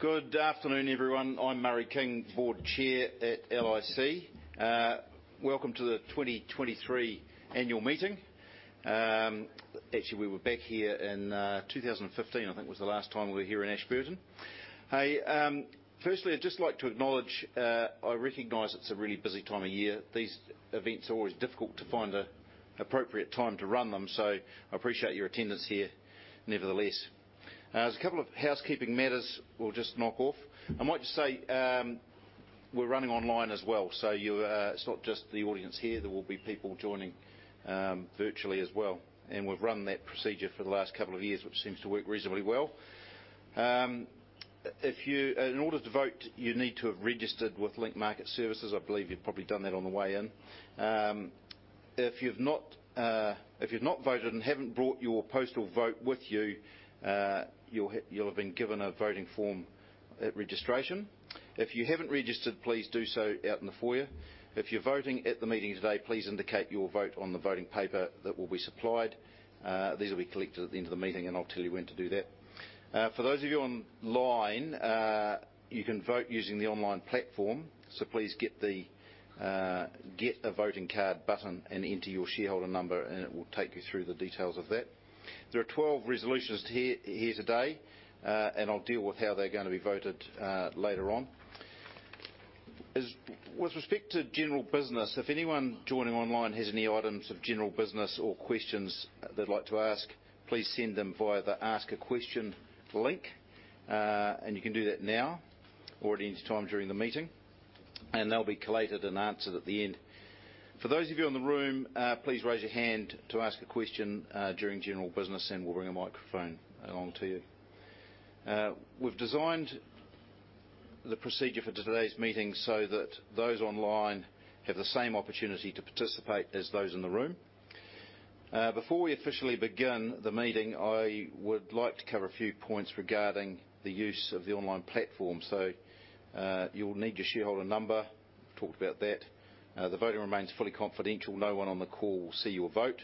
Good afternoon, everyone. I'm Murray King, Board Chair at LIC. Welcome to the 2023 annual meeting. Actually, we were back here in 2015, I think, was the last time we were here in Ashburton. Hey, firstly, I'd just like to acknowledge, I recognize it's a really busy time of year. These events are always difficult to find an appropriate time to run them, so I appreciate your attendance here nevertheless. There's a couple of housekeeping matters we'll just knock off. I might just say, we're running online as well, so you, it's not just the audience here. There will be people joining virtually as well, and we've run that procedure for the last couple of years, which seems to work reasonably well. In order to vote, you need to have registered with Link Market Services. I believe you've probably done that on the way in. If you've not voted and haven't brought your postal vote with you, you'll have been given a voting form at registration. If you haven't registered, please do so out in the foyer. If you're voting at the meeting today, please indicate your vote on the voting paper that will be supplied. These will be collected at the end of the meeting, and I'll tell you when to do that. For those of you online, you can vote using the online platform. So please get the Get a Voting Card button, and enter your shareholder number, and it will take you through the details of that. There are 12 resolutions here today. And I'll deal with how they're gonna be voted later on. As with respect to general business, if anyone joining online has any items of general business or questions they'd like to ask, please send them via the Ask a Question link. And you can do that now or at any time during the meeting, and they'll be collated and answered at the end. For those of you in the room, please raise your hand to ask a question during general business, and we'll bring a microphone along to you. We've designed the procedure for today's meeting so that those online have the same opportunity to participate as those in the room. Before we officially begin the meeting, I would like to cover a few points regarding the use of the online platform. So, you'll need your shareholder number. Talked about that. The voting remains fully confidential. No one on the call will see your vote.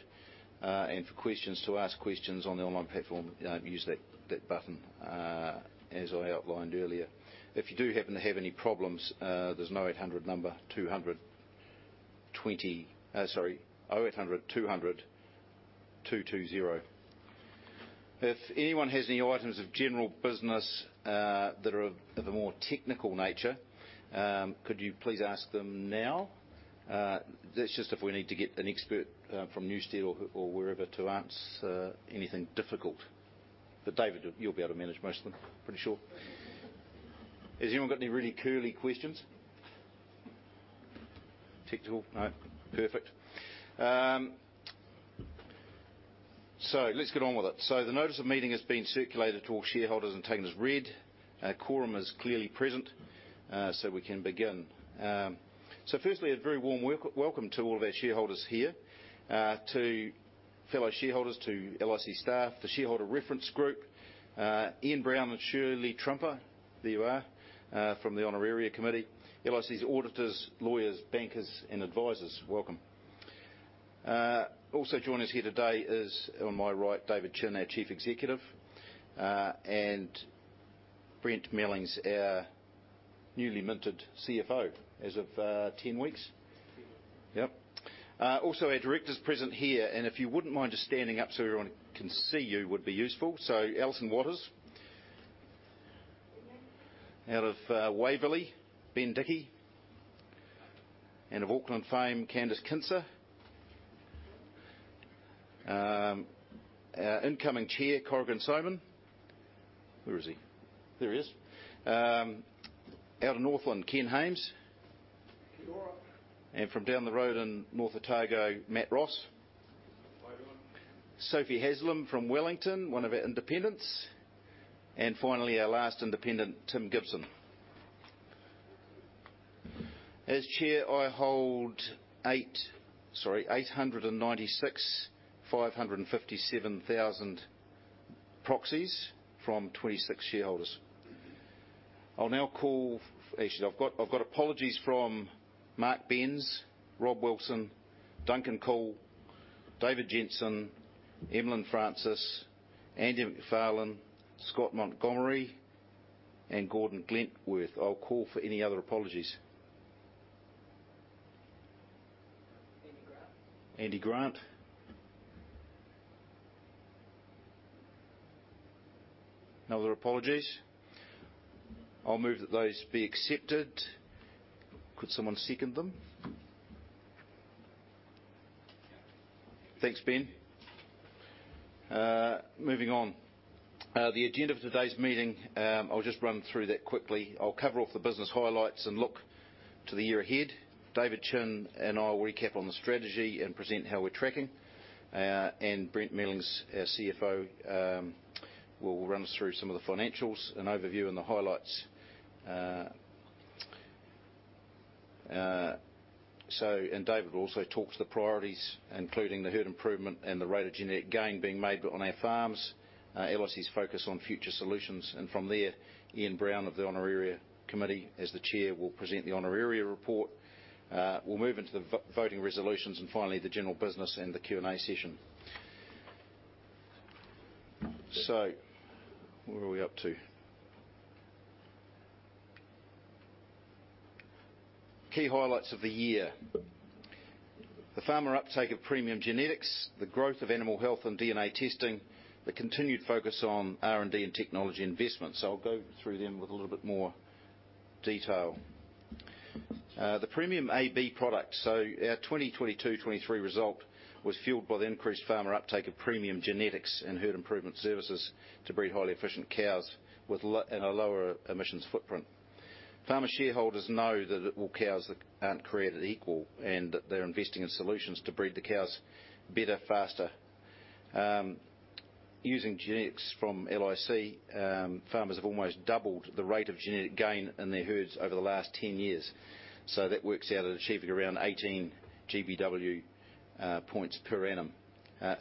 And for questions, to ask questions on the online platform, use that button, as I outlined earlier. If you do happen to have any problems, there's a 0800 number, 220. Sorry, 0800, 220. If anyone has any items of general business that are of the more technical nature, could you please ask them now? That's just if we need to get an expert from Newstead or wherever to answer anything difficult. But David, you'll be able to manage most of them, pretty sure. Has anyone got any really curly questions? Technical? No. Perfect. So let's get on with it. So the notice of meeting has been circulated to all shareholders and taken as read. Quorum is clearly present, so we can begin. So firstly, a very warm welcome to all of our shareholders here, to fellow shareholders, to LIC staff, the Shareholder Reference Group, Ian Brown and Shirley Trumper. There you are. From the Honoraria Committee, LIC's auditors, lawyers, bankers, and advisors, welcome. Also joining us here today is, on my right, David Chin, our Chief Executive, and Brent Mealings, our newly minted CFO as of 10 weeks? Ten weeks. Yep. Also, our directors present here, and if you wouldn't mind just standing up so everyone can see you, would be useful. So Alison Watters. Good morning. Out of Waverley, Ben Dickie. And of Auckland fame, Candice Kinser. Our incoming chair, Corrigan Sowman. Where is he? There he is. Out of Northland, Ken Hames. Kia ora! From down the road in North Otago, Matt Ross. How you doing? Sophie Haslem from Wellington, one of our independents, and finally, our last independent, Tim Gibson. As chair, I hold eight... Sorry, 896,557 proxies from 26 shareholders. I'll now call-- Actually, I've got, I've got apologies from Mark Bent, Rob Wilson, Duncan Coull, David Jensen, Emlyn Francis, Andy Macfarlane, Scott Montgomerie, and Gordon Glentworth. I'll call for any other apologies. Andy Grant. Andy Grant. No other apologies? I'll move that those be accepted. Could someone second them? Yeah. Thanks, Ben. Moving on. The agenda for today's meeting, I'll just run through that quickly. I'll cover off the business highlights and look to the year ahead. David Chin and I will recap on the strategy and present how we're tracking. Brent Mealings, our CFO, will run us through some of the financials, an overview and the highlights. David will also talk to the priorities, including the herd improvement and the rate of genetic gain being made on our farms, LIC's focus on future solutions. From there, Ian Brown of the Honoraria Committee, as the chair, will present the honoraria report. We'll move into the voting resolutions and finally, the general business and the Q&A session. Where are we up to? Key highlights of the year: the farmer uptake of premium genetics, the growth of animal health and DNA testing, the continued focus on R&D and technology investment. I'll go through them with a little bit more detail. The premium AB product. Our 2022-2023 result was fueled by the increased farmer uptake of premium genetics and herd improvement services to breed highly efficient cows with, and a lower emissions footprint. Farmer shareholders know that all cows aren't created equal, and they're investing in solutions to breed the cows better, faster. Using genetics from LIC, farmers have almost doubled the rate of genetic gain in their herds over the last 10 years. That works out at achieving around 18 gBW points per annum.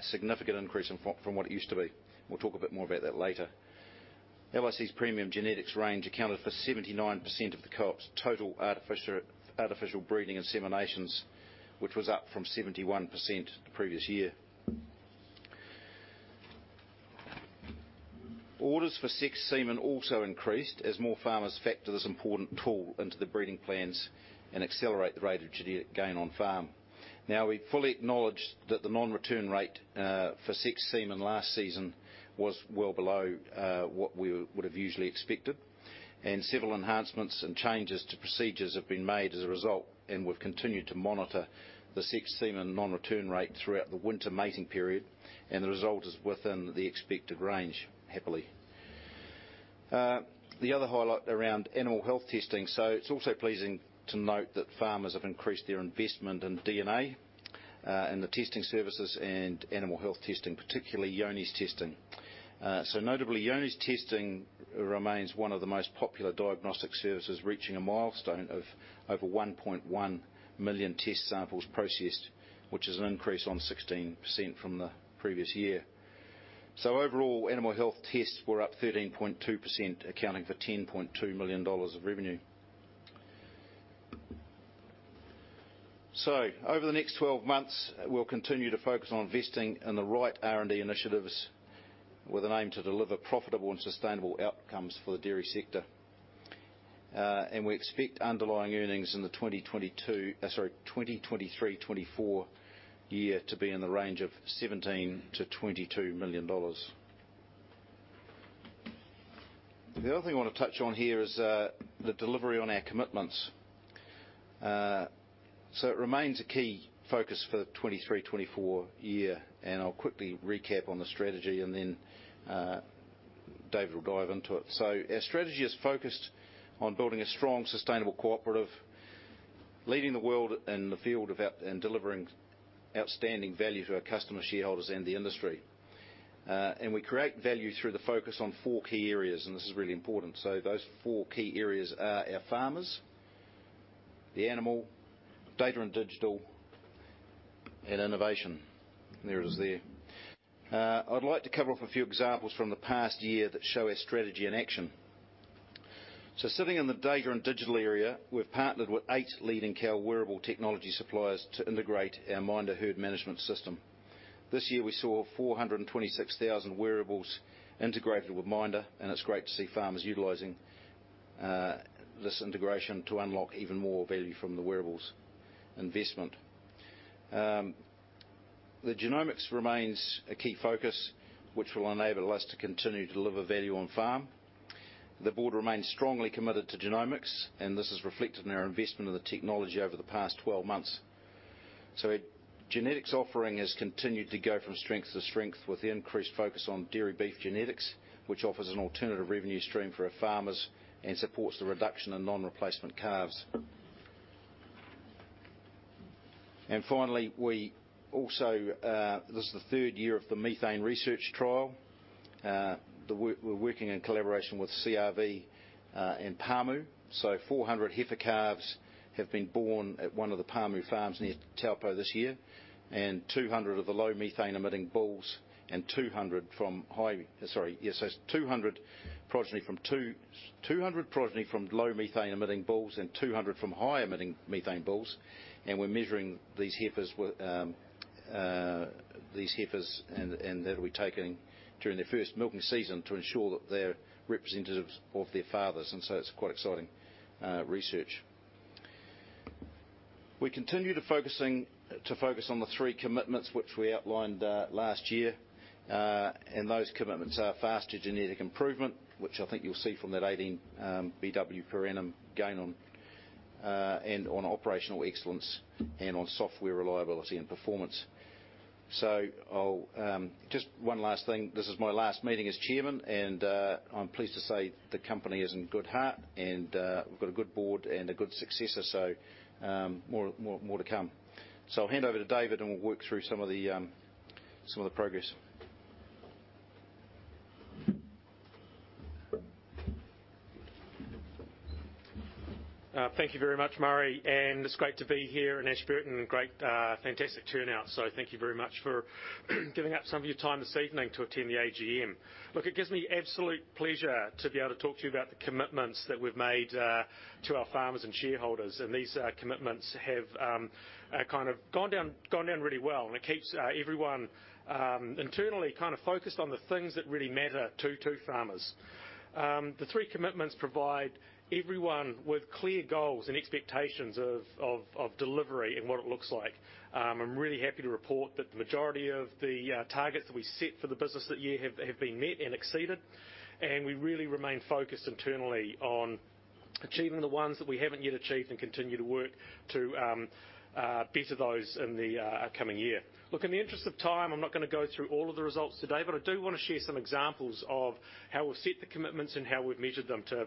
Significant increase from what it used to be. We'll talk a bit more about that later. LIC's premium genetics range accounted for 79% of the co-op's total artificial breeding inseminations, which was up from 71% the previous year. Orders for sexed semen also increased as more farmers factor this important tool into the breeding plans and accelerate the rate of genetic gain on farm. Now, we fully acknowledge that the non-return rate for sexed semen last season was well below what we would have usually expected, and several enhancements and changes to procedures have been made as a result, and we've continued to monitor the sexed semen non-return rate throughout the winter mating period, and the result is within the expected range, happily. The other highlight around animal health testing. So it's also pleasing to note that farmers have increased their investment in DNA and the testing services and animal health testing, particularly Johne's testing. So notably, Johne's testing remains one of the most popular diagnostic services, reaching a milestone of over 1.1 million test samples processed, which is an increase of 16% from the previous year. So overall, animal health tests were up 13.2%, accounting for 10.2 million dollars of revenue. So over the next twelve months, we'll continue to focus on investing in the right R&D initiatives with an aim to deliver profitable and sustainable outcomes for the dairy sector. And we expect underlying earnings in the 2022, sorry, 2023-24 year to be in the range of 17 million-22 million dollars. The other thing I want to touch on here is the delivery on our commitments. So it remains a key focus for the 2023, 2024 year, and I'll quickly recap on the strategy and then David will dive into it. Our strategy is focused on building a strong, sustainable cooperative, leading the world in the field of out- and delivering outstanding value to our customer, shareholders, and the industry. We create value through the focus on four key areas, and this is really important. Those four key areas are our farmers, the animal, data and digital, and innovation. There it is there. I'd like to cover off a few examples from the past year that show our strategy in action. Starting in the data and digital area, we've partnered with eight leading cow wearable technology suppliers to integrate our MINDA herd management system. This year, we saw 426,000 wearables integrated with MINDA, and it's great to see farmers utilizing this integration to unlock even more value from the wearables investment. The genomics remains a key focus, which will enable us to continue to deliver value on-farm. The board remains strongly committed to genomics, and this is reflected in our investment in the technology over the past 12 months. So our genetics offering has continued to go from strength to strength with the increased focus on dairy beef genetics, which offers an alternative revenue stream for our farmers and supports the reduction in non-replacement calves. And finally, we also this is the 3rd year of the methane research trial. We're working in collaboration with CRV and Pāmu. So 400 heifer calves have been born at one of the Pāmu farms near Taupō this year, and 200 of the low methane-emitting bulls, and 200 from high... Sorry, yes, so it's 200 progeny from low methane-emitting bulls and 200 from high emitting methane bulls. And we're measuring these heifers, and that'll be taken during their first milking season to ensure that they're representatives of their fathers, and so it's quite exciting research. We continue to focus on the three commitments which we outlined last year. And those commitments are faster genetic improvement, which I think you'll see from that 18 BW per annum gain on, and on operational excellence and on software reliability and performance. So I'll just one last thing. This is my last meeting as Chairman, and I'm pleased to say the company is in good heart, and we've got a good board and a good successor, so, more, more, more to come. So I'll hand over to David, and we'll work through some of the, some of the progress.... Thank you very much, Murray, and it's great to be here in Ashburton, and great, fantastic turnout. So thank you very much for giving up some of your time this evening to attend the AGM. Look, it gives me absolute pleasure to be able to talk to you about the commitments that we've made to our farmers and shareholders, and these commitments have kind of gone down really well, and it keeps everyone internally kind of focused on the things that really matter to farmers. The three commitments provide everyone with clear goals and expectations of delivery and what it looks like. I'm really happy to report that the majority of the targets that we set for the business that year have been met and exceeded, and we really remain focused internally on achieving the ones that we haven't yet achieved and continue to work to better those in the upcoming year. Look, in the interest of time, I'm not gonna go through all of the results today, but I do want to share some examples of how we've set the commitments and how we've measured them to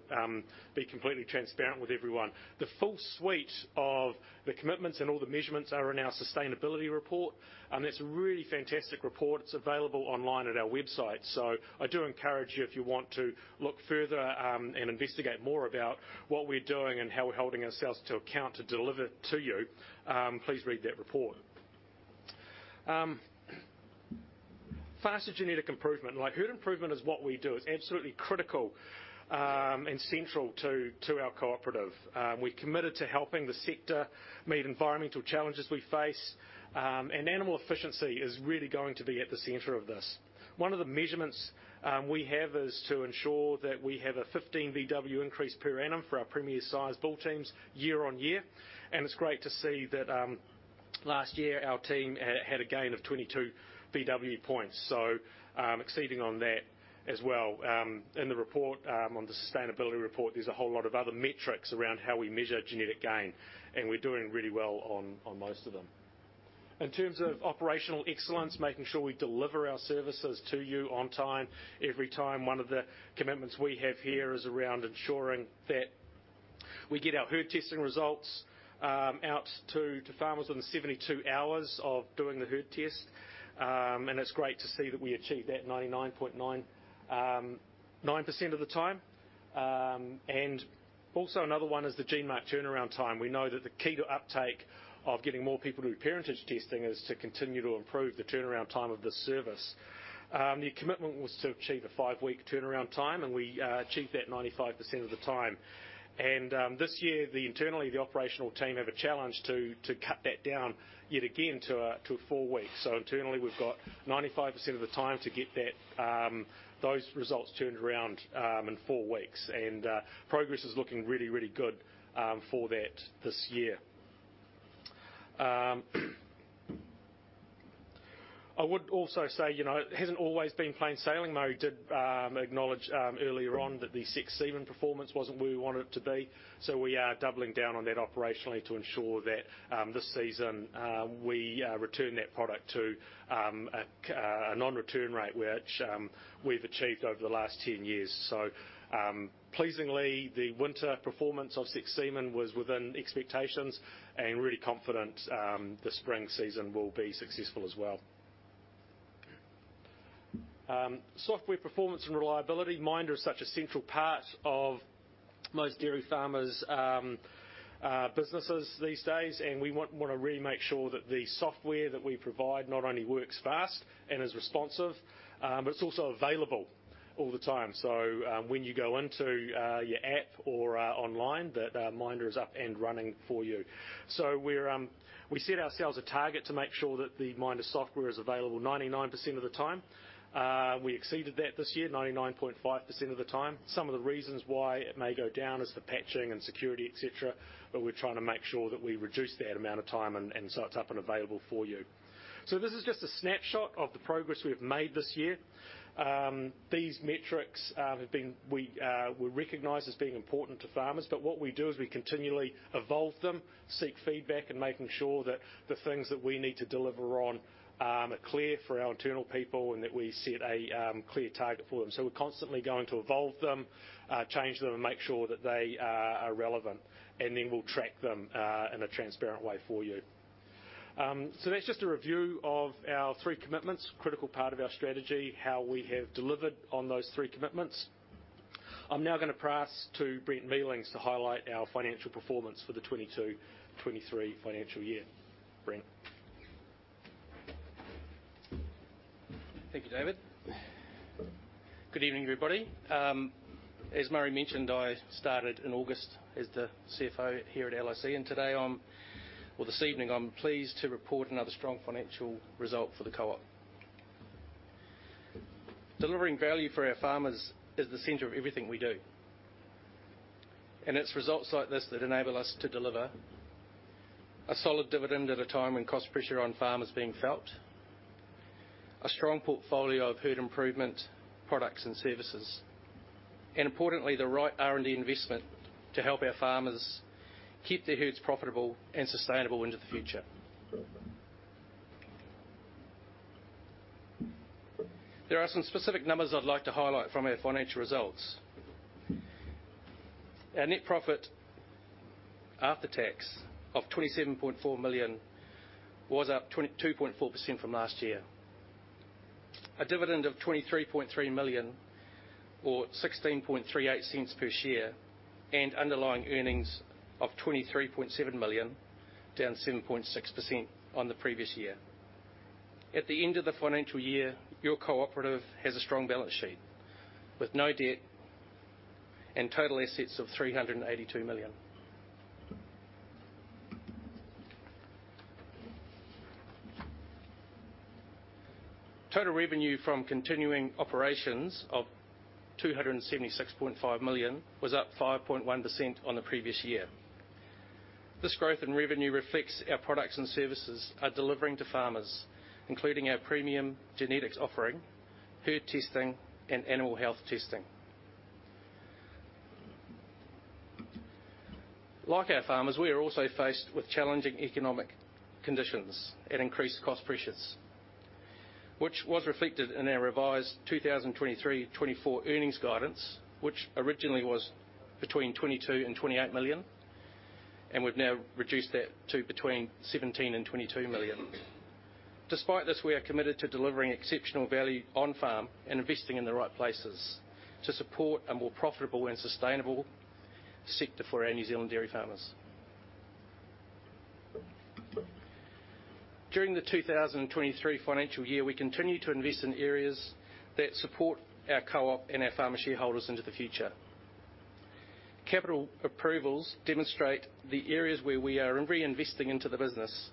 be completely transparent with everyone. The full suite of the commitments and all the measurements are in our sustainability report, and that's a really fantastic report. It's available online at our website. So I do encourage you, if you want to look further, and investigate more about what we're doing and how we're holding ourselves to account to deliver to you, please read that report. Faster genetic improvement, like herd improvement is what we do. It's absolutely critical, and central to our cooperative. We're committed to helping the sector meet environmental challenges we face, and animal efficiency is really going to be at the center of this. One of the measurements we have is to ensure that we have a 15 BW increase per annum for our Premier Sires bull teams year-on-year, and it's great to see that, last year our team had a gain of 22 BW points, so, exceeding on that as well. In the report, on the sustainability report, there's a whole lot of other metrics around how we measure genetic gain, and we're doing really well on, on most of them. In terms of operational excellence, making sure we deliver our services to you on time, every time, one of the commitments we have here is around ensuring that we get our herd testing results, out to, to farmers within 72 hours of doing the herd test. And it's great to see that we achieve that 99.99% of the time. And also another one is the GeneMark turnaround time. We know that the key to uptake of getting more people to do parentage testing is to continue to improve the turnaround time of this service. The commitment was to achieve a 5-week turnaround time, and we achieved that 95% of the time. This year, internally, the operational team have a challenge to cut that down yet again to 4 weeks. So internally, we've got 95% of the time to get those results turned around in 4 weeks, and progress is looking really, really good for that this year. I would also say, you know, it hasn't always been plain sailing. Murray did acknowledge earlier on that the sexed semen performance wasn't where we want it to be, so we are doubling down on that operationally to ensure that this season, we return that product to a non-return rate, which we've achieved over the last 10 years. So, pleasingly, the winter performance of sexed semen was within expectations, and really confident, the spring season will be successful as well. Software performance and reliability. MINDA is such a central part of most dairy farmers', businesses these days, and we want to really make sure that the software that we provide not only works fast and is responsive, but it's also available all the time. So, when you go into, your app or, online, that, MINDA is up and running for you. So we're, we set ourselves a target to make sure that the MINDA software is available 99% of the time. We exceeded that this year, 99.5% of the time. Some of the reasons why it may go down is the patching and security, et cetera, but we're trying to make sure that we reduce that amount of time and so it's up and available for you. So this is just a snapshot of the progress we've made this year. These metrics have been. We recognize as being important to farmers, but what we do is we continually evolve them, seek feedback, and making sure that the things that we need to deliver on are clear for our internal people, and that we set a clear target for them. So we're constantly going to evolve them, change them, and make sure that they are relevant, and then we'll track them in a transparent way for you. So that's just a review of our three commitments, critical part of our strategy, how we have delivered on those three commitments. I'm now gonna pass to Brent Mealings, to highlight our financial performance for the 2022-2023 financial year. Brent? Thank you, David. Good evening, everybody. As Murray mentioned, I started in August as the CFO here at LIC, and today I'm—or this evening, I'm pleased to report another strong financial result for the co-op. Delivering value for our farmers is the center of everything we do, and it's results like this that enable us to deliver a solid dividend at a time when cost pressure on farmers is being felt, a strong portfolio of herd improvement products and services, and importantly, the right R&D investment to help our farmers keep their herds profitable and sustainable into the future. There are some specific numbers I'd like to highlight from our financial results. Our net profit after tax of 27.4 million was up 22.4% from last year. a dividend of 23.3 million, or 0.1638 per share, and underlying earnings of 23.7 million, down 7.6% on the previous year. At the end of the financial year, your cooperative has a strong balance sheet, with no debt and total assets of 382 million. Total revenue from continuing operations of 276.5 million was up 5.1% on the previous year. This growth in revenue reflects our products and services are delivering to farmers, including our premium genetics offering, herd testing, and animal health testing. Like our farmers, we are also faced with challenging economic conditions and increased cost pressures, which was reflected in our revised 2023-24 earnings guidance, which originally was between 22 million and 28 million, and we've now reduced that to between 17 million and 22 million. Despite this, we are committed to delivering exceptional value on-farm and investing in the right places to support a more profitable and sustainable sector for our New Zealand dairy farmers. During the 2023 financial year, we continued to invest in areas that support our co-op and our farmer shareholders into the future. Capital approvals demonstrate the areas where we are reinvesting into the business,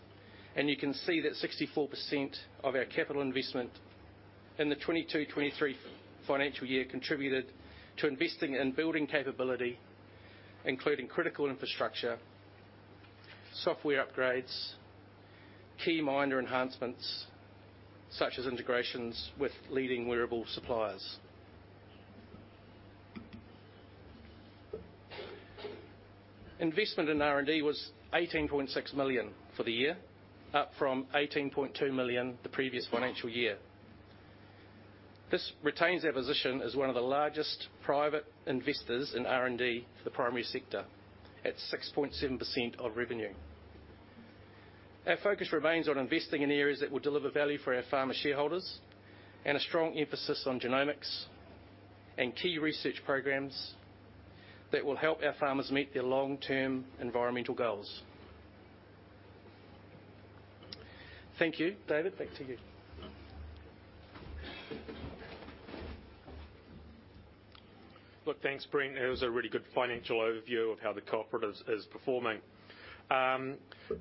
and you can see that 64% of our capital investment in the 2022-2023 financial year contributed to investing in building capability, including critical infrastructure, software upgrades, key minor enhancements, such as integrations with leading wearable suppliers. Investment in R&D was 18.6 million for the year, up from 18.2 million the previous financial year. This retains our position as one of the largest private investors in R&D for the primary sector at 6.7% of revenue. Our focus remains on investing in areas that will deliver value for our farmer shareholders, and a strong emphasis on genomics and key research programs that will help our farmers meet their long-term environmental goals. Thank you. David, back to you. Look, thanks, Brent. That was a really good financial overview of how the cooperative is, is performing.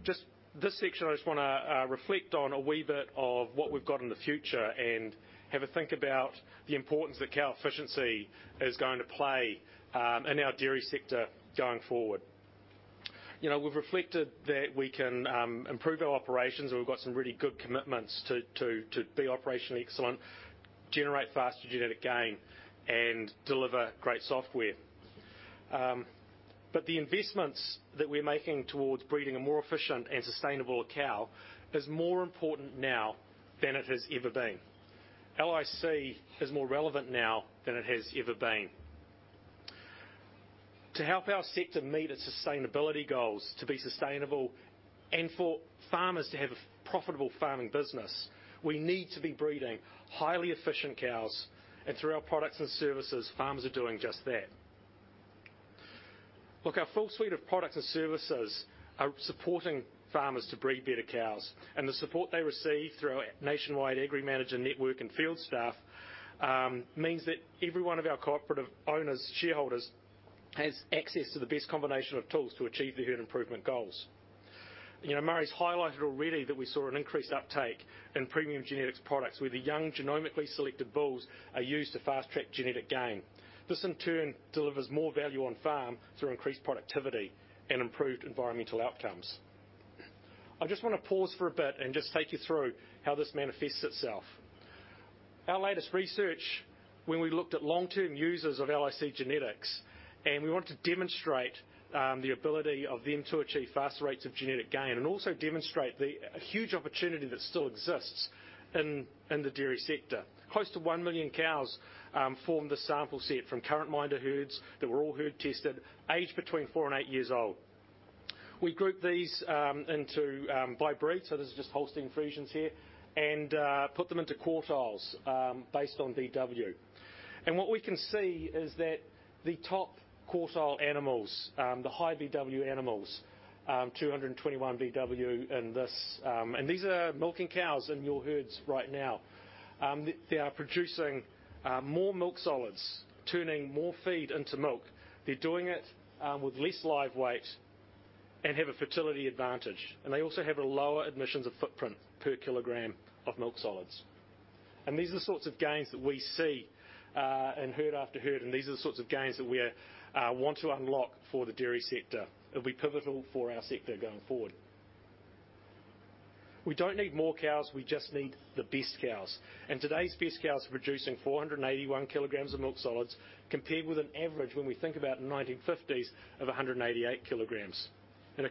Just this section, I just wanna reflect on a wee bit of what we've got in the future and have a think about the importance that cow efficiency is going to play in our dairy sector going forward. You know, we've reflected that we can improve our operations, and we've got some really good commitments to be operationally excellent, generate faster genetic gain, and deliver great software. But the investments that we're making towards breeding a more efficient and sustainable cow is more important now than it has ever been. LIC is more relevant now than it has ever been. To help our sector meet its sustainability goals, to be sustainable, and for farmers to have a profitable farming business, we need to be breeding highly efficient cows, and through our products and services, farmers are doing just that. Look, our full suite of products and services are supporting farmers to breed better cows, and the support they receive through our nationwide Agri Manager network and field staff, means that every one of our cooperative owners, shareholders, has access to the best combination of tools to achieve their herd improvement goals. You know, Murray's highlighted already that we saw an increased uptake in premium genetics products, where the young genomically selected bulls are used to fast-track genetic gain. This, in turn, delivers more value on-farm through increased productivity and improved environmental outcomes. I just wanna pause for a bit and just take you through how this manifests itself. Our latest research, when we looked at long-term users of LIC genetics, and we wanted to demonstrate the ability of them to achieve faster rates of genetic gain, and also demonstrate the huge opportunity that still exists in the dairy sector. Close to 1 million cows formed a sample set from current MINDA herds that were all herd tested, aged between 4 and 8 years old. We grouped these by breed, so this is just Holstein Friesians here, and put them into quartiles based on BW. What we can see is that the top quartile animals, the high BW animals, 221 BW in this, and these are milking cows in your herds right now. They are producing more milk solids, turning more feed into milk. They're doing it with less live weight and have a fertility advantage, and they also have a lower emissions footprint per kilogram of milk solids. These are the sorts of gains that we see in herd after herd, and these are the sorts of gains that we want to unlock for the dairy sector. It'll be pivotal for our sector going forward. We don't need more cows. We just need the best cows. Today's best cows are producing 481 kilograms of milk solids, compared with an average, when we think about the 1950s, of 188 kilograms.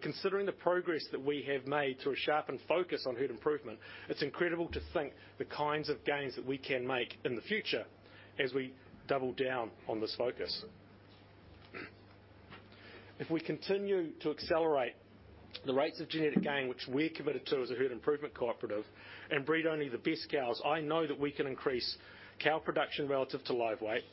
Considering the progress that we have made through a sharpened focus on herd improvement, it's incredible to think the kinds of gains that we can make in the future as we double down on this focus.... If we continue to accelerate the rates of genetic gain, which we're committed to as a herd improvement cooperative, and breed only the best cows, I know that we can increase cow production relative to live weight.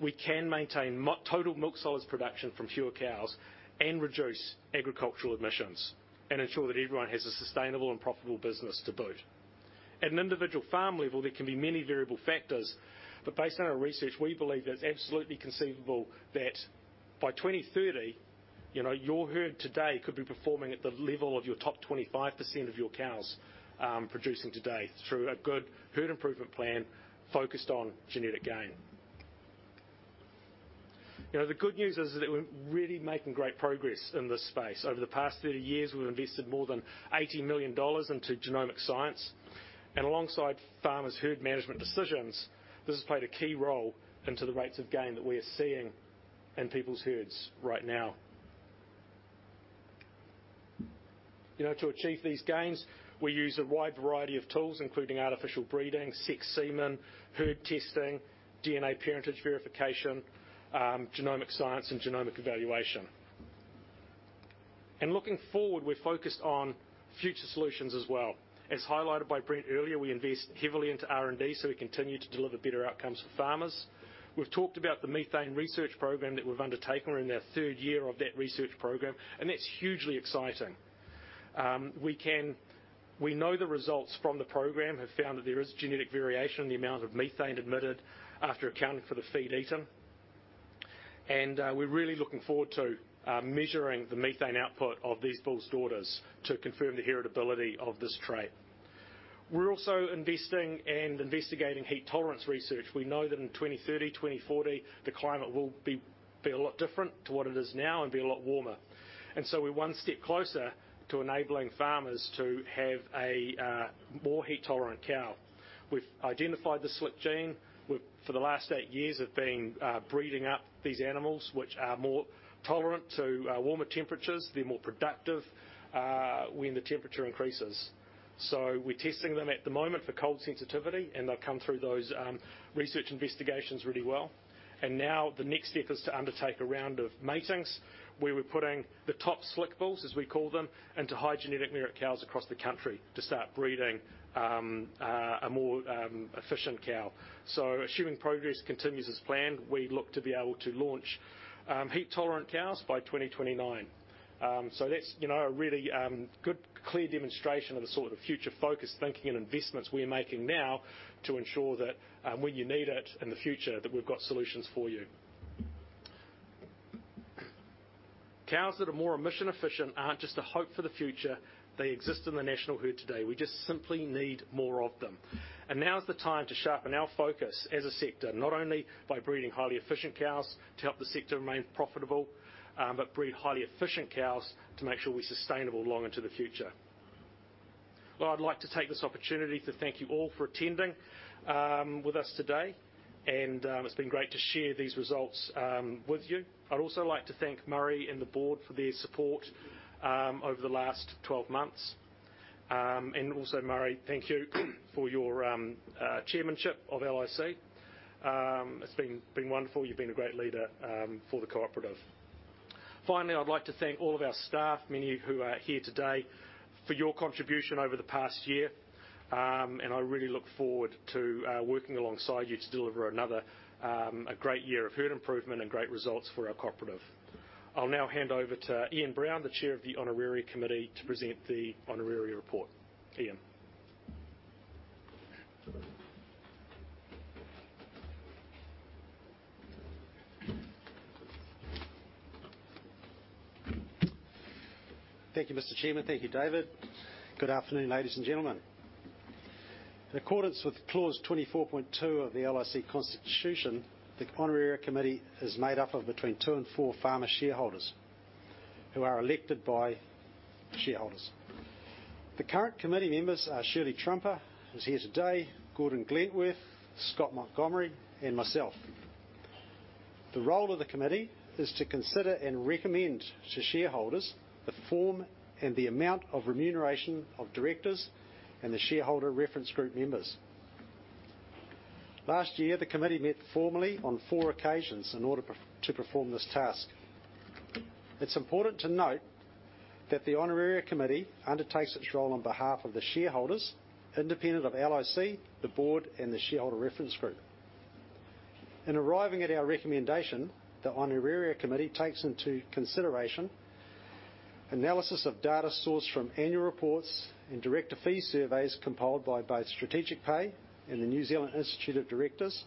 We can maintain more total milk solids production from fewer cows, and reduce agricultural emissions, and ensure that everyone has a sustainable and profitable business to boot. At an individual farm level, there can be many variable factors, but based on our research, we believe that it's absolutely conceivable that by 2030, you know, your herd today could be performing at the level of your top 25% of your cows, producing today through a good herd improvement plan focused on genetic gain. You know, the good news is that we're really making great progress in this space. Over the past 30 years, we've invested more than 80 million dollars into genomic science, and alongside farmers' herd management decisions, this has played a key role into the rates of gain that we are seeing in people's herds right now. You know, to achieve these gains, we use a wide variety of tools, including artificial breeding, sexed semen, herd testing, DNA parentage verification, genomic science, and genomic evaluation. And looking forward, we're focused on future solutions as well. As highlighted by Brent earlier, we invest heavily into R&D, so we continue to deliver better outcomes for farmers. We've talked about the methane research program that we've undertaken. We're in our third year of that research program, and that's hugely exciting. We know the results from the program have found that there is genetic variation in the amount of methane emitted after accounting for the feed eaten. And we're really looking forward to measuring the methane output of these bulls' daughters to confirm the heritability of this trait. We're also investing and investigating heat tolerance research. We know that in 2030, 2040, the climate will be a lot different to what it is now and be a lot warmer. And so we're one step closer to enabling farmers to have a more heat-tolerant cow. We've identified the Slick gene. We've, for the last eight years, have been breeding up these animals, which are more tolerant to warmer temperatures. They're more productive when the temperature increases. We're testing them at the moment for cold sensitivity, and they've come through those research investigations really well. Now the next step is to undertake a round of matings, where we're putting the top Slick bulls, as we call them, into high genetic merit cows across the country to start breeding a more efficient cow. Assuming progress continues as planned, we look to be able to launch heat-tolerant cows by 2029. That's, you know, a really good clear demonstration of the sort of future-focused thinking and investments we're making now to ensure that when you need it in the future, that we've got solutions for you. Cows that are more emission efficient aren't just a hope for the future, they exist in the national herd today. We just simply need more of them. Now is the time to sharpen our focus as a sector, not only by breeding highly efficient cows to help the sector remain profitable, but breed highly efficient cows to make sure we're sustainable long into the future. Well, I'd like to take this opportunity to thank you all for attending with us today, and, it's been great to share these results with you. I'd also like to thank Murray and the board for their support over the last 12 months. And also, Murray, thank you for your chairmanship of LIC. It's been wonderful. You've been a great leader for the cooperative. Finally, I'd like to thank all of our staff, many who are here today, for your contribution over the past year. I really look forward to working alongside you to deliver another a great year of herd improvement and great results for our cooperative. I'll now hand over to Ian Brown, the Chair of the Honoraria Committee, to present the honoraria report. Ian? Thank you, Mr. Chairman. Thank you, David. Good afternoon, ladies and gentlemen. In accordance with Clause 24.2 of the LIC Constitution, the Honoraria Committee is made up of between two and four farmer shareholders who are elected by shareholders. The current committee members are Shirley Trumper, who's here today, Gordon Glentworth, Scott Montgomerie, and myself. The role of the committee is to consider and recommend to shareholders the form and the amount of remuneration of directors and the shareholder reference group members. Last year, the committee met formally on four occasions in order to perform this task. It's important to note that the Honoraria Committee undertakes its role on behalf of the shareholders, independent of LIC, the board, and the shareholder reference group. In arriving at our recommendation, the Honoraria Committee takes into consideration analysis of data sourced from annual reports and director fee surveys compiled by both Strategic Pay and the New Zealand Institute of Directors,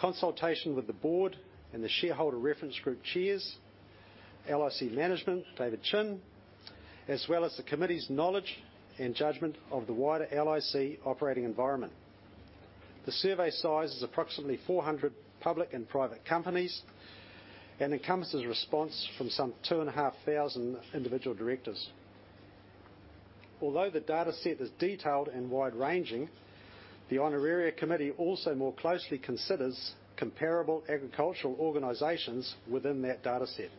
consultation with the board and the Shareholder Reference Group chairs, LIC management, David Chin, as well as the committee's knowledge and judgment of the wider LIC operating environment. The survey size is approximately 400 public and private companies and encompasses response from some 2,500 individual directors. Although the data set is detailed and wide-ranging, the Honoraria Committee also more closely considers comparable agricultural organizations within that data set.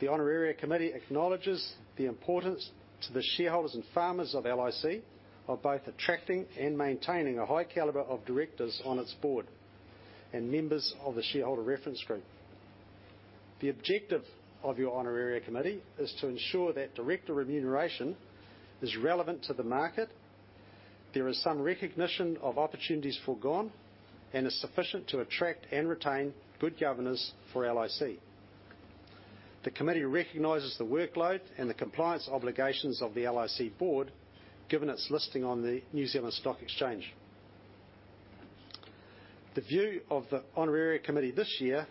The Honoraria Committee acknowledges the importance to the shareholders and farmers of LIC, of both attracting and maintaining a high caliber of directors on its board, and members of the Shareholder Reference Group. The objective of your Honoraria Committee is to ensure that director remuneration is relevant to the market, there is some recognition of opportunities forgone, and is sufficient to attract and retain good governors for LIC. The committee recognizes the workload and the compliance obligations of the LIC board, given its listing on the New Zealand Stock Exchange. The view of the Honoraria Committee this year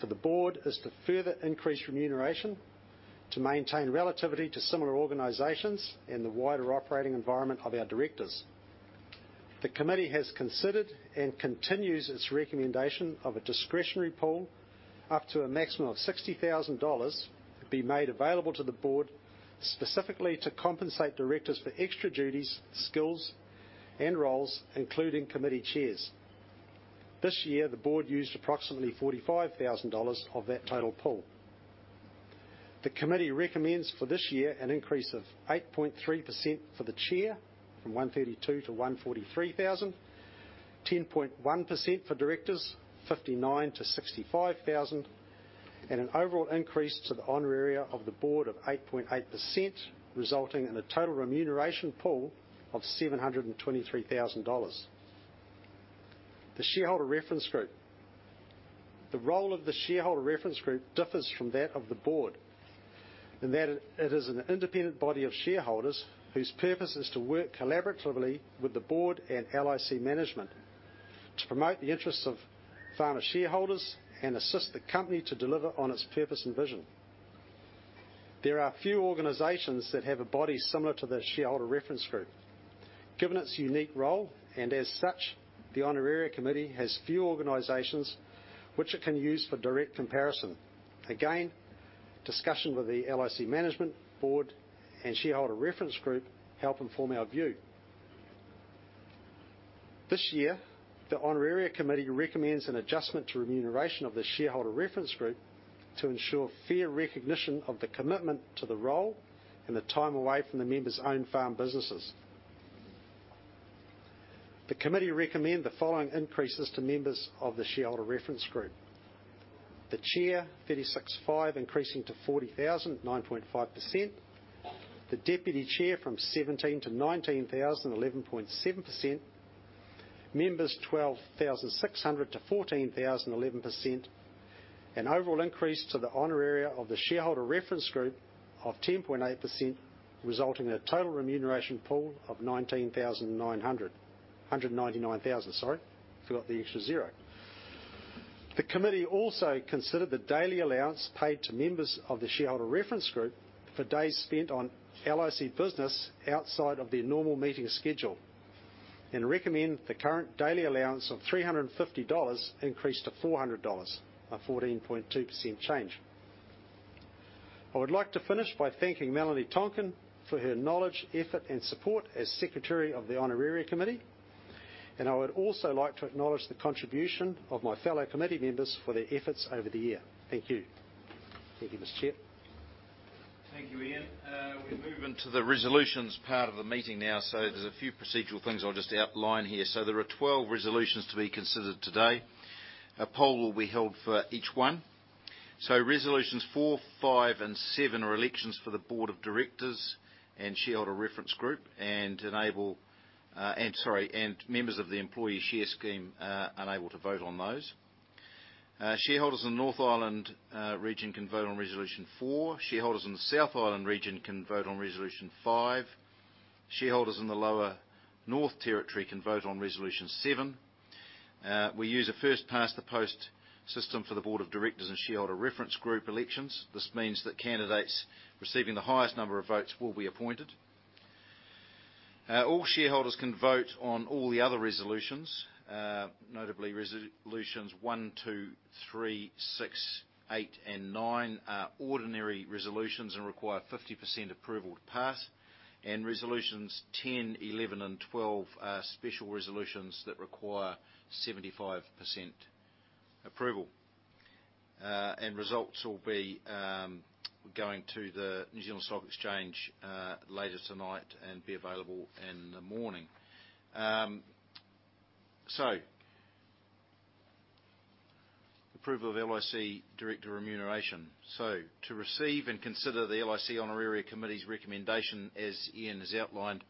for the board, is to further increase remuneration, to maintain relativity to similar organizations in the wider operating environment of our directors. The committee has considered and continues its recommendation of a discretionary pool, up to a maximum of 60,000 dollars, be made available to the board, specifically to compensate directors for extra duties, skills, and roles, including committee chairs. This year, the board used approximately 45,000 dollars of that total pool. The committee recommends for this year, an increase of 8.3% for the chair, from 132,000-143,000. 10.1% for directors, 59,000-65,000, and an overall increase to the honoraria of the board of 8.8%, resulting in a total remuneration pool of 723,000 dollars. The Shareholder Reference Group. The role of the Shareholder Reference Group differs from that of the board, in that it is an independent body of shareholders, whose purpose is to work collaboratively with the board and LIC management, to promote the interests of farmer shareholders, and assist the company to deliver on its purpose and vision. There are few organizations that have a body similar to the Shareholder Reference Group. Given its unique role, and as such, the Honoraria Committee has few organizations which it can use for direct comparison. Again, discussion with the LIC management, board, and Shareholder Reference Group help inform our view. This year, the Honoraria Committee recommends an adjustment to remuneration of the Shareholder Reference Group, to ensure fair recognition of the commitment to the role, and the time away from the members' own farm businesses. The committee recommend the following increases to members of the Shareholder Reference Group: The chair, 36,500, increasing to 40,000, 9.5%. The deputy chair, from 17,000 to 19,000, 11.7%. Members, 12,600 to 14,000, 11%. An overall increase to the honoraria of the Shareholder Reference Group of 10.8%, resulting in a total remuneration pool of 19,900. 199,000, sorry, forgot the extra zero. The committee also considered the daily allowance paid to members of the Shareholder Reference Group, for days spent on LIC business outside of their normal meeting schedule, and recommend the current daily allowance of 350 dollars increase to 400 dollars, a 14.2% change. I would like to finish by thanking Melanie Tonkin for her knowledge, effort, and support as Secretary of the Honoraria Committee. And I would also like to acknowledge the contribution of my fellow committee members for their efforts over the year. Thank you. Thank you, Mr. Chair. Thank you, Ian. We move into the resolutions part of the meeting now. So there's a few procedural things I'll just outline here. So there are 12 resolutions to be considered today. A poll will be held for each one. So resolutions 4, 5, and 7 are elections for the Board of Directors and Shareholder Reference Group, and enable, And sorry, and members of the employee share scheme are unable to vote on those. Shareholders in the North Island region can vote on resolution 4. Shareholders in the South Island region can vote on resolution 5. Shareholders in the Lower North Territory can vote on resolution 7. We use a first past the post system for the Board of Directors and Shareholder Reference Group elections. This means that candidates receiving the highest number of votes will be appointed. All shareholders can vote on all the other resolutions. Notably, resolutions 1, 2, 3, 6, 8, and 9 are ordinary resolutions and require 50% approval to pass. Resolutions 10, 11, and 12 are special resolutions that require 75% approval. Results will be going to the New Zealand Stock Exchange later tonight and be available in the morning. Approval of LIC director remuneration. To receive and consider the LIC Honoraria Committee's recommendation, as Ian has outlined,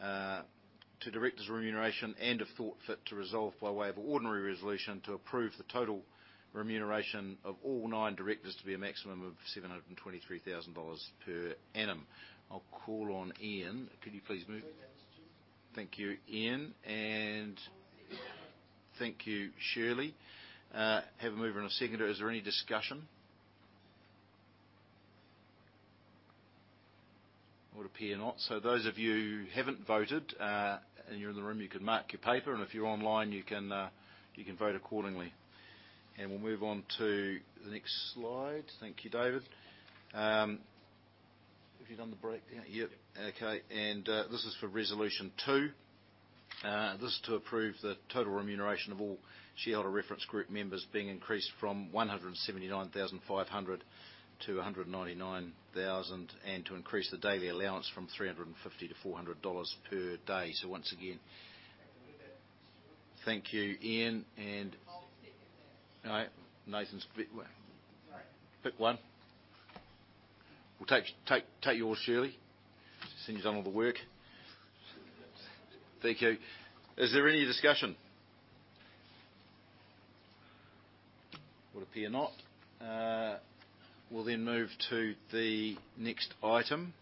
to directors' remuneration and if thought fit to resolve, by way of ordinary resolution, to approve the total remuneration of all nine directors to be a maximum of 723,000 dollars per annum. I'll call on Ian. Could you please move? Move that, Mr. Chair. Thank you, Ian. Second. Thank you, Shirley. Have a mover and a seconder. Is there any discussion? It would appear not. Those of you who haven't voted, and you're in the room, you can mark your paper, and if you're online, you can vote accordingly. We'll move on to the next slide. Thank you, David. Have you done the breakdown? Yep, okay. This is for Resolution two. This is to approve the total remuneration of all Shareholder Reference Group members being increased from 179,500 to 199,000, and to increase the daily allowance from 350 to 400 dollars per day. Once again, thank you, Ian, and- I'll second that. All right. Nathan's bit well. Sorry. Pick one. We'll take, take yours, Shirley, since you've done all the work. Thank you. Is there any discussion? Would appear not. We'll then move to the next item,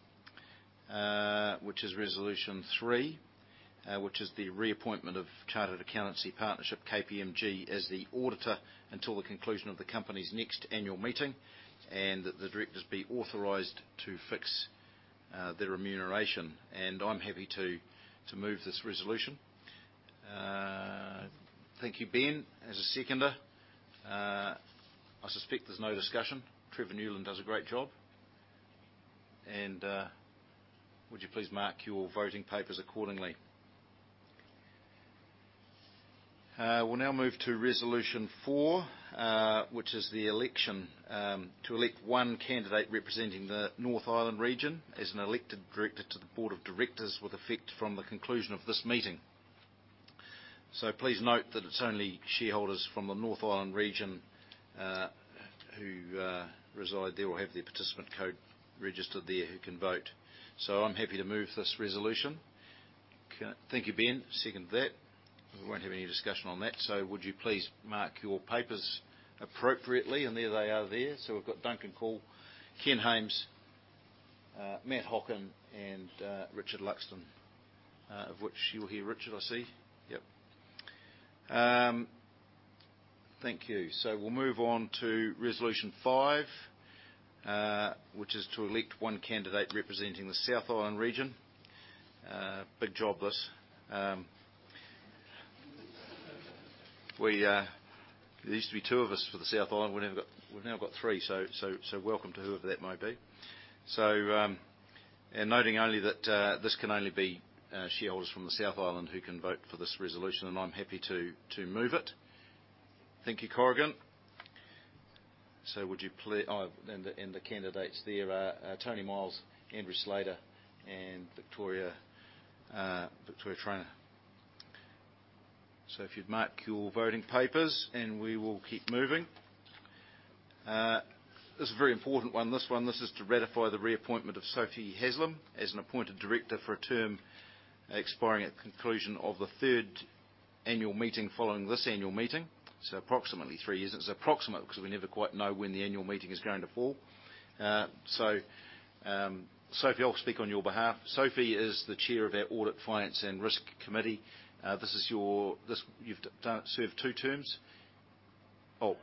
which is Resolution three, which is the reappointment of Chartered Accountancy Partnership, KPMG, as the auditor until the conclusion of the company's next annual meeting. And that the directors be authorized to fix their remuneration. I'm happy to, to move this resolution. Thank you, Ben, as a seconder. I suspect there's no discussion. Trevor Newland does a great job. Would you please mark your voting papers accordingly? We'll now move to Resolution four, which is the election, to elect one candidate representing the North Island region as an elected director to the board of directors with effect from the conclusion of this meeting. So please note that it's only shareholders from the North Island region, who reside there or have their participant code registered there, who can vote. So I'm happy to move this resolution. Okay, thank you, Ben. Second that. We won't have any discussion on that, so would you please mark your papers appropriately? And there they are there. So we've got Duncan Coull, Ken Hames, Matt Hocken, and Richard Luxton, of which you're here, Richard, I see. Yep. Thank you. So we'll move on to Resolution 5, which is to elect one candidate representing the South Island region. Big job, this. There used to be 2 of us for the South Island. We've now got, we've now got 3, so, so, so welcome to whoever that may be. So, and noting only that, this can only be shareholders from the South Island who can vote for this resolution, and I'm happy to move it. Thank you, Corrigan. So would you, oh, and the candidates there are Tony Miles, Andrew Slater, and Victoria Trayner. So if you'd mark your voting papers, and we will keep moving. This is a very important one, this one. This is to ratify the reappointment of Sophie Haslem as an appointed director for a term expiring at conclusion of the third annual meeting, following this annual meeting. So approximately three years. It's approximate because we never quite know when the annual meeting is going to fall. So, Sophie, I'll speak on your behalf. Sophie is the Chair of our Audit, Finance, and Risk Committee. This is your-- this, you've done, served two terms? Oh,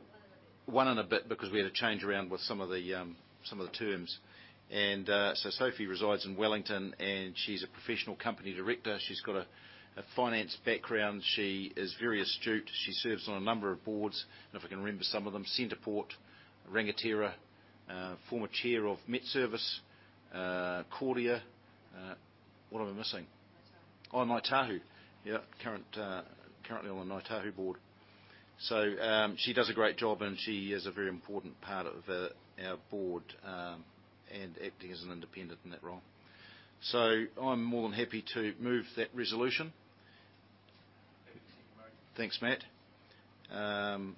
one and a bit, because we had a change around with some of the, some of the terms. Sophie resides in Wellington, and she's a professional company director. She's got a, a finance background. She is very astute. She serves on a number of boards, and if I can remember some of them: CentrePort, Rangatira, former chair of MetService, Kordia. What am I missing? Oh, Ngāi Tahu. Yeah, currently on the Ngāi Tahu board. She does a great job, and she is a very important part of our board, and acting as an independent in that role. I'm more than happy to move that resolution. Happy to second the motion. Thanks, Matt.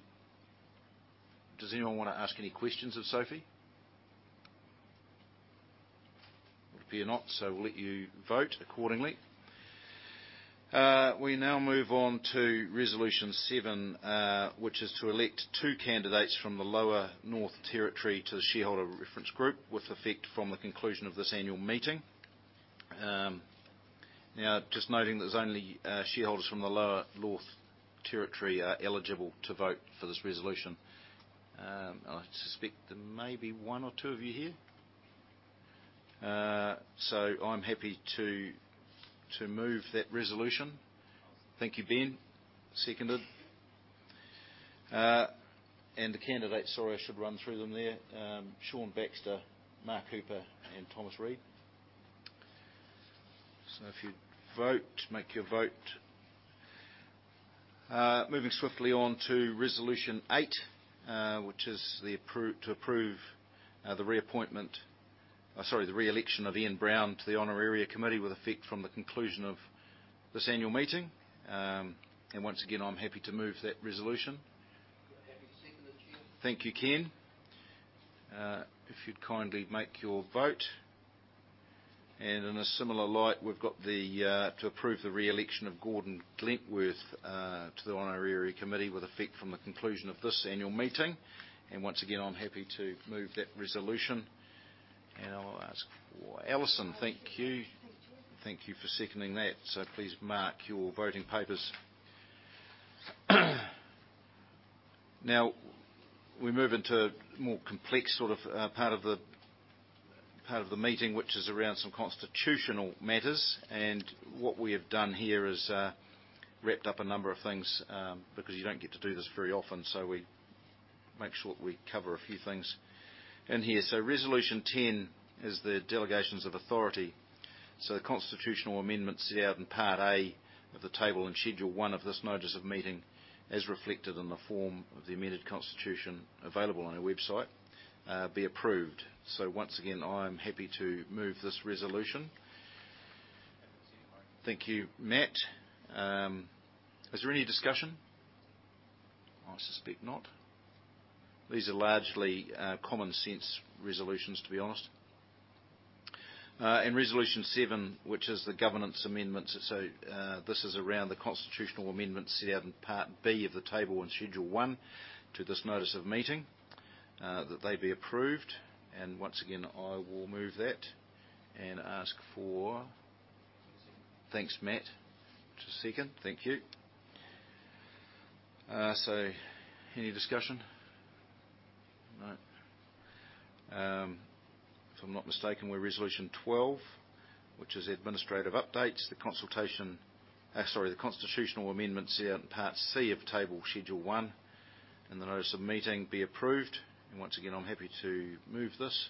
Does anyone want to ask any questions of Sophie? Would appear not, so we'll let you vote accordingly. We now move on to Resolution seven, which is to elect two candidates from the Lower North Territory to the shareholder reference group, with effect from the conclusion of this annual meeting. Now, just noting there's only shareholders from the Lower North Territory are eligible to vote for this resolution. I suspect there may be one or two of you here. I'm happy to move that resolution. I'll second. Thank you, Ben. Seconded. And the candidates, sorry, I should run through them there, Sean Baxter, Mark Hooper, and Thomas Read. So if you'd vote, make your vote. Moving swiftly on to Resolution 8, which is to approve the re-election of Ian Brown to the Honoraria Committee, with effect from the conclusion of this annual meeting. And once again, I'm happy to move that resolution. Happy to second it, Chair. Thank you, Ken. If you'd kindly make your vote. And in a similar light, we've got the to approve the re-election of Gordon Glentworth to the Honoraria Committee, with effect from the conclusion of this annual meeting. And once again, I'm happy to move that resolution. And I'll ask Alison. Thank you. Thank you. Thank you for seconding that. So please mark your voting papers. Now, we move into more complex sort of, part of the, part of the meeting, which is around some constitutional matters. And what we have done here is, wrapped up a number of things, because you don't get to do this very often. Make sure we cover a few things in here. So Resolution 10 is the Delegations of Authority. So the constitutional amendments set out in Part A of the table in Schedule One of this notice of meeting, as reflected in the form of the amended constitution available on our website, be approved. So once again, I'm happy to move this resolution. Thank you, Matt. Is there any discussion? I suspect not. These are largely, common sense resolutions, to be honest. And Resolution 11, which is the Governance Amendments, so, this is around the constitutional amendments set out in Part B of the table in Schedule 1 to this notice of meeting, that they be approved. And once again, I will move that and ask for- Thanks, Matt, to second. Thank you. So any discussion? No. If I'm not mistaken, we're Resolution 12, which is Administrative Updates, the consultation... Sorry, the constitutional amendments here in Part C of table Schedule 1, and the notice of meeting be approved. And once again, I'm happy to move this.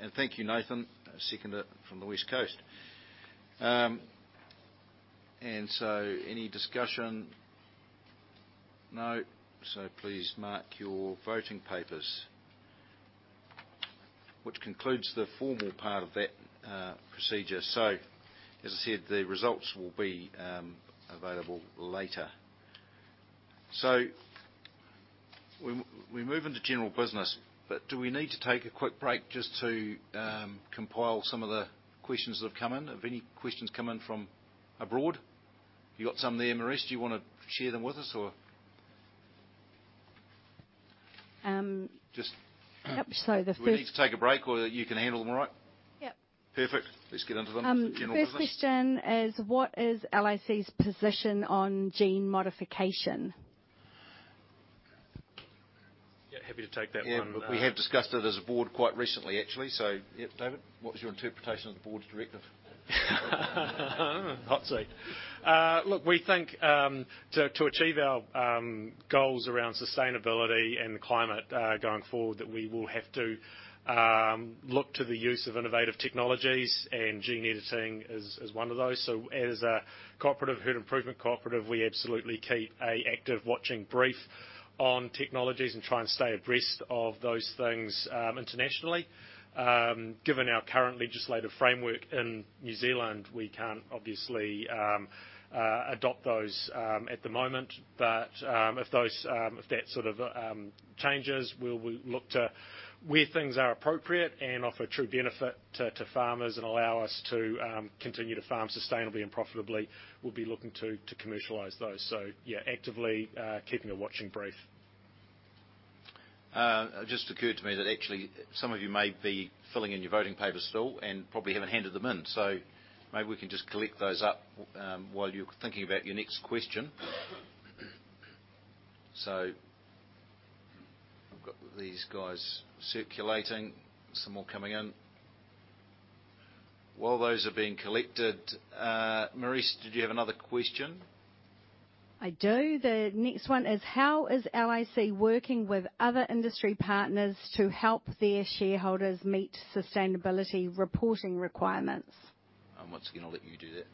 Thanks. Thank you, Nathan. Seconder from the West Coast. And so any discussion? No. So please mark your voting papers. Which concludes the formal part of that procedure. So, as I said, the results will be available later. So we, we move into general business, but do we need to take a quick break just to compile some of the questions that have come in? Have any questions come in from abroad? You got some there, Maurice. Do you wanna share them with us, or? Just- Yep, so the first- Do we need to take a break, or you can handle them all right? Yep. Perfect. Let's get into them. General business. First question is: What is LIC's position on gene modification? Yeah, happy to take that one, Yeah, but we have discussed it as a board quite recently, actually. So yeah, David, what is your interpretation of the board's directive? Hot seat. Look, we think to achieve our goals around sustainability and climate going forward that we will have to look to the use of innovative technologies, and gene editing is one of those. So as a cooperative, herd improvement cooperative, we absolutely keep an active watching brief on technologies and try and stay abreast of those things internationally. Given our current legislative framework in New Zealand, we can't obviously adopt those at the moment. But if that sort of changes, we'll look to where things are appropriate and offer true benefit to farmers and allow us to continue to farm sustainably and profitably; we'll be looking to commercialize those. So yeah, actively keeping a watching brief. It just occurred to me that actually some of you may be filling in your voting papers still and probably haven't handed them in, so maybe we can just collect those up while you're thinking about your next question. So I've got these guys circulating. Some more coming in. While those are being collected, Maurice, did you have another question? I do. The next one is: How is LIC working with other industry partners to help their shareholders meet sustainability reporting requirements? Once again, I'll let you do that.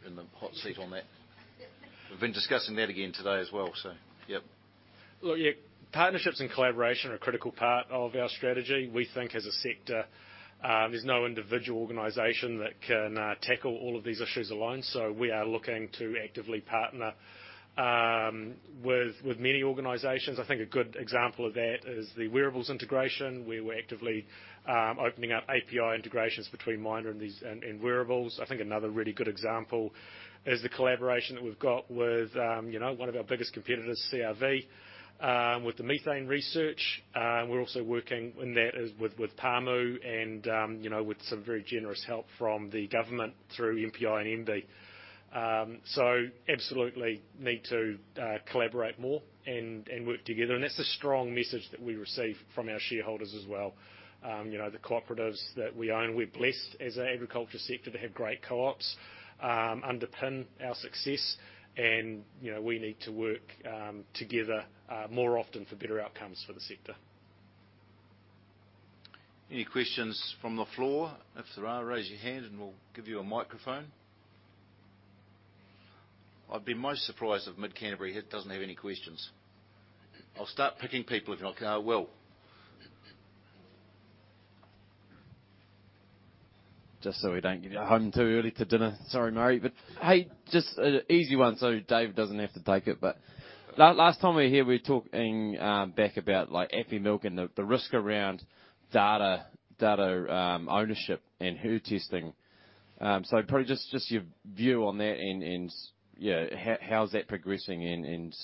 You're in the hot seat on that. We've been discussing that again today as well, so yep. Well, yeah, partnerships and collaboration are a critical part of our strategy. We think as a sector, there's no individual organization that can tackle all of these issues alone, so we are looking to actively partner with many organizations. I think a good example of that is the wearables integration, where we're actively opening up API integrations between MINDA and these wearables. I think another really good example is the collaboration that we've got with, you know, one of our biggest competitors, CRV, with the methane research. We're also working in that with Pāmu and, you know, with some very generous help from the government through MPI and MBIE. Absolutely need to collaborate more and work together, and that's a strong message that we receive from our shareholders as well. You know, the cooperatives that we own, we're blessed as an agriculture sector to have great co-ops, underpin our success. And, you know, we need to work together more often for better outcomes for the sector. Any questions from the floor? If there are, raise your hand and we'll give you a microphone. I'd be most surprised if Mid Canterbury doesn't have any questions. I'll start picking people if not... I will. Just so we don't get home too early to dinner. Sorry, Murray, but hey, just an easy one so Dave doesn't have to take it. But last time we were here, we were talking back about, like, Afimilk and the risk around data ownership and herd testing. So probably just your view on that and, yeah, how's that progressing and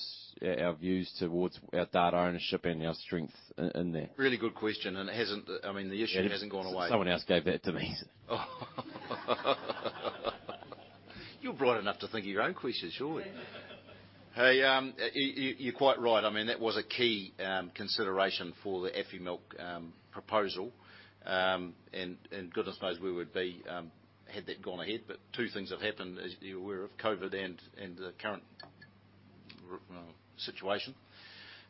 our views towards our data ownership and our strength in there? Really good question, and it hasn't, I mean, the issue hasn't gone away. Someone else gave that to me. You're bright enough to think of your own question, surely. Hey, you're quite right. I mean, that was a key consideration for the Afimilk proposal. And goodness knows where we'd be had that gone ahead. But two things have happened, as you're aware of: COVID and the current situation.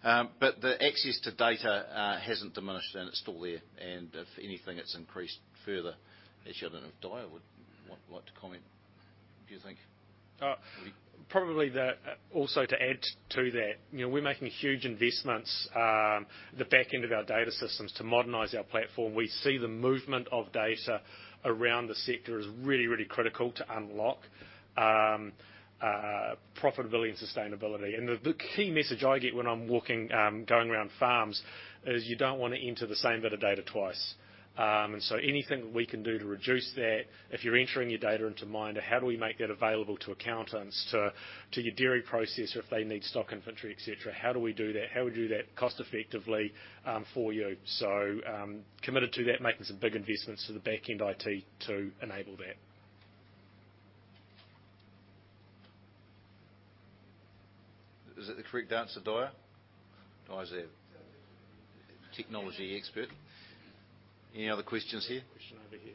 But the access to data hasn't diminished, and it's still there, and if anything, it's increased further. Actually, I don't know if David would want to comment, do you think? Probably the, also to add to that, you know, we're making huge investments, the back end of our data systems to modernize our platform. We see the movement of data around the sector as really, really critical to unlock, you know, profitability and sustainability. The key message I get when I'm walking, going around farms, is you don't want to enter the same bit of data twice. Anything we can do to reduce that, if you're entering your data into MINDA, how do we make that available to accountants, to your dairy processor if they need stock inventory, et cetera? How do we do that? How do we do that cost effectively for you? Committed to that, making some big investments to the back end IT to enable that. Is that the correct answer, David? David's our technology expert. Any other questions here? Question over here.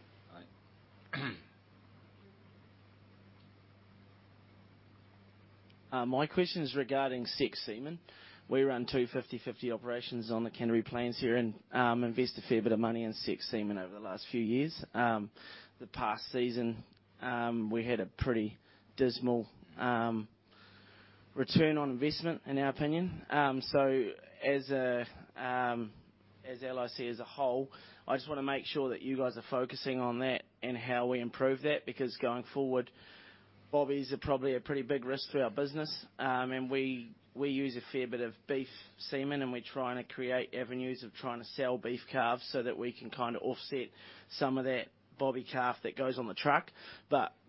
All right. My question is regarding sexed semen. We run two 50/50 operations on the Canterbury Plains here and invest a fair bit of money in sexed semen over the last few years. The past season, we had a pretty dismal return on investment, in our opinion. As LIC as a whole, I just wanna make sure that you guys are focusing on that and how we improve that, because going forward, bobbies are probably a pretty big risk to our business. We use a fair bit of beef semen, and we're trying to create avenues of trying to sell beef calves so that we can kind of offset some of that bobby calf that goes on the truck.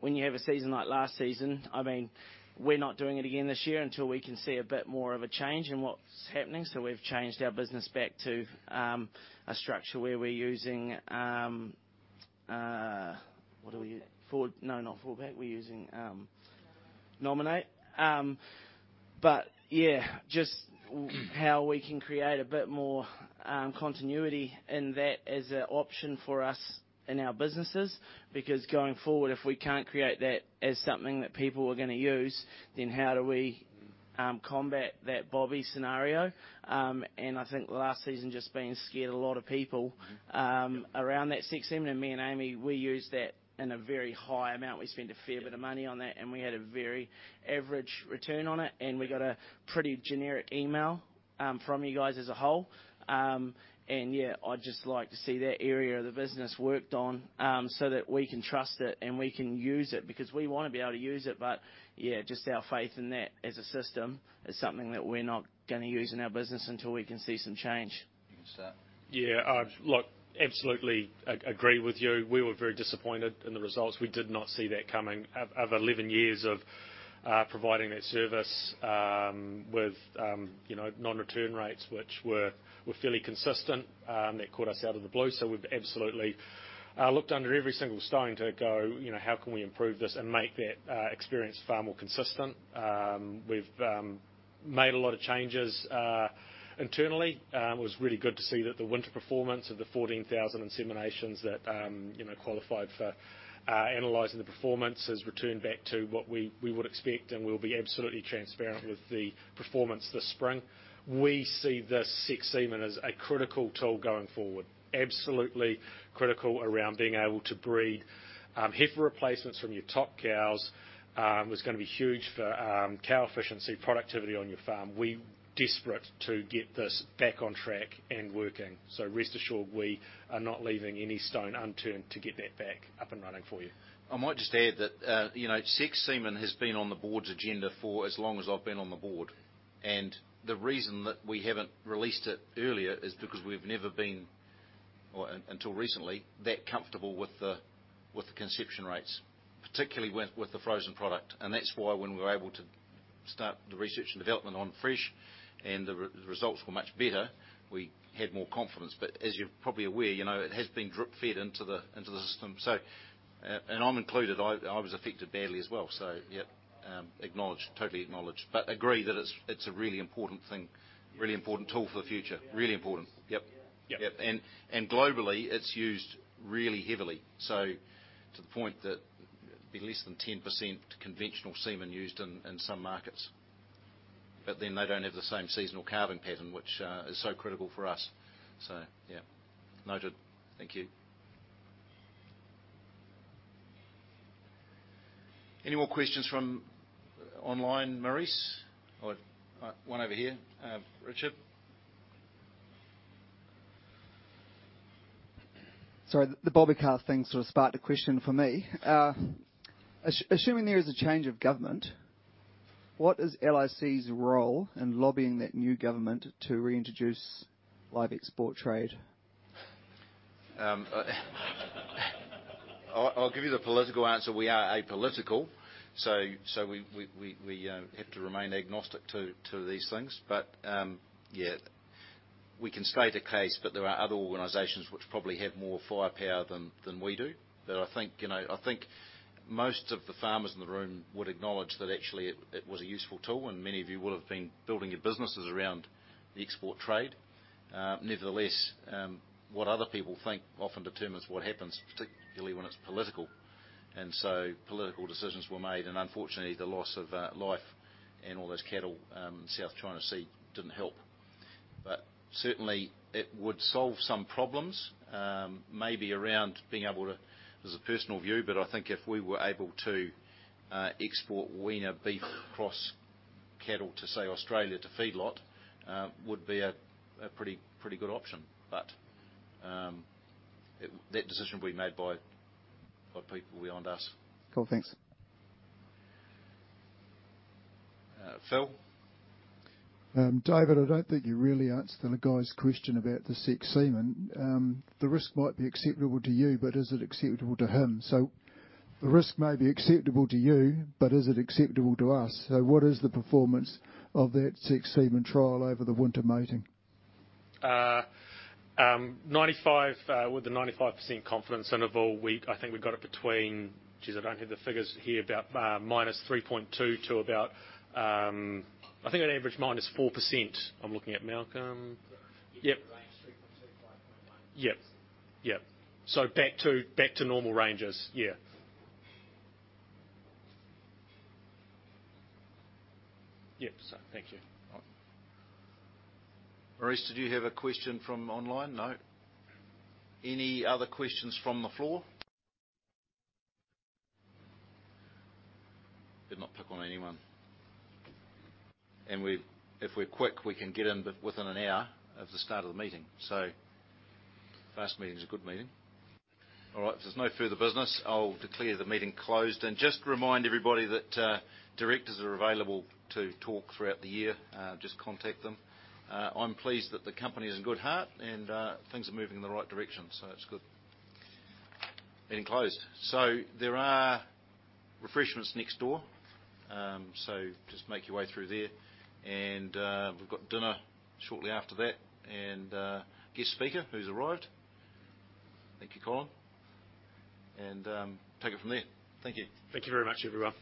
When you have a season like last season, I mean, we're not doing it again this year until we can see a bit more of a change in what's happening. We've changed our business back to a structure where we're using—what do we—Full... No, not full back. We're using— Nominate. Nominate. Yeah, just how we can create a bit more continuity in that as an option for us in our businesses. Because going forward, if we can't create that as something that people are gonna use, then how do we combat that bobby scenario? I think the last season just been scared a lot of people,... around that sexed semen. Me and Amy, we use that in a very high amount. We spend a fair bit of money on that, and we had a very average return on it, and we got a pretty generic email from you guys as a whole. Yeah, I'd just like to see that area of the business worked on, so that we can trust it, and we can use it. Because we wanna be able to use it, but, yeah, just our faith in that as a system is something that we're not gonna use in our business until we can see some change. Thanks, sir. Yeah, look, absolutely agree with you. We were very disappointed in the results. We did not see that coming. Of 11 years of providing that service, with, you know, non-return rates, which were fairly consistent, that caught us out of the blue. So we've absolutely looked under every single stone to go, you know, "How can we improve this and make that experience far more consistent?" We've made a lot of changes internally. It was really good to see that the winter performance of the 14,000 inseminations that, you know, qualified for analyzing the performance has returned back to what we would expect, and we'll be absolutely transparent with the performance this spring. We see the sexed semen as a critical tool going forward. Absolutely critical around being able to breed, heifer replacements from your top cows, is gonna be huge for, cow efficiency, productivity on your farm. We're desperate to get this back on track and working, so rest assured, we are not leaving any stone unturned to get that back up and running for you. I might just add that, you know, sexed semen has been on the board's agenda for as long as I've been on the board, and the reason that we haven't released it earlier is because we've never been, or until recently, that comfortable with the, with the conception rates, particularly with, with the frozen product. That's why when we were able to start the research and development on fresh, and the results were much better, we had more confidence. As you're probably aware, you know, it has been drip-fed into the, into the system. I, and I'm included, I was affected badly as well, so yeah. Acknowledged, totally acknowledged, but agree that it's, it's a really important thing, really important tool for the future. Really important. Yep. Yep. Yep, and globally, it's used really heavily, so to the point that it'd be less than 10% conventional semen used in some markets. But then they don't have the same seasonal calving pattern, which is so critical for us. So yeah, noted. Thank you. Any more questions from online, Maurice? Or one over here. Richard. Sorry, the bobby calf thing sort of sparked a question for me. Assuming there is a change of government, what is LIC's role in lobbying that new government to reintroduce live export trade? I'll give you the political answer. We are apolitical, so we have to remain agnostic to these things. Yeah, we can state a case, but there are other organizations which probably have more firepower than we do. I think most of the farmers in the room would acknowledge that actually it was a useful tool, and many of you will have been building your businesses around the export trade. Nevertheless, what other people think often determines what happens, particularly when it's political. Political decisions were made, and unfortunately, the loss of life and all those cattle in South China Sea didn't help.... But certainly, it would solve some problems, maybe around being able to, this is a personal view, but I think if we were able to export weaner beef cross cattle to, say, Australia to feedlot, would be a pretty good option. But, that decision will be made by people beyond us. Cool, thanks. Uh, Phil? David, I don't think you really answered the guy's question about the sexed semen. The risk might be acceptable to you, but is it acceptable to him? So the risk may be acceptable to you, but is it acceptable to us? So what is the performance of that sexed semen trial over the winter mating? Ninety-five, with the 95% confidence interval, we-- I think we've got it between, geez, I don't have the figures here, about -3.2% to about, I think on average, -4%. I'm looking at Malcolm. Yep. Yep. Range 3.2-5.1. Yep. Yep. So back to normal ranges. Yeah. Yep, so thank you. Maurice, did you have a question from online? No. Any other questions from the floor? Did not pick on anyone. And if we're quick, we can get in within an hour of the start of the meeting, so fast meeting is a good meeting. All right, if there's no further business, I'll declare the meeting closed, and just remind everybody that directors are available to talk throughout the year. Just contact them. I'm pleased that the company is in good heart, and things are moving in the right direction, so it's good. Meeting closed. So there are refreshments next door, so just make your way through there. And we've got dinner shortly after that, and guest speaker who's arrived. Thank you, Colin. And take it from there. Thank you. Thank you very much, everyone.